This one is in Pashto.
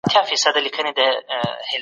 پوهانو تل نوې تيورۍ او اندونه رامنځته کول.